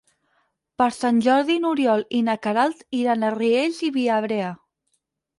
Per Sant Jordi n'Oriol i na Queralt iran a Riells i Viabrea.